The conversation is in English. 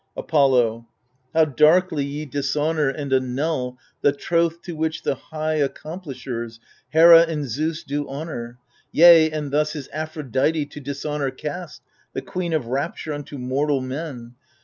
Apollo How darkly ye dishonour and annul The troth to which the high accomplishers, Hera and Zeus, do honour. Yea, and thus Is Aphrodite to dishonour cast. The queen of rapture unto mortal men.